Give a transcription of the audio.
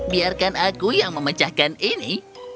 biarkan aku yang memecahkan ini